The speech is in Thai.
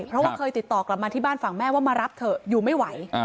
เพราะว่าเคยติดต่อกลับมาที่บ้านฝั่งแม่ว่ามารับเถอะอยู่ไม่ไหว